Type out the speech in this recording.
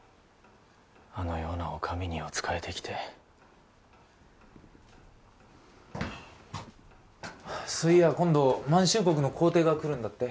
あのようなお上にお仕えできてそういや今度満州国の皇帝が来るんだって？